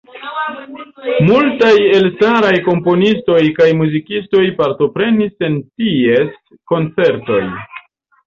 Multaj elstaraj komponistoj kaj muzikistoj partoprenis en ties koncertoj.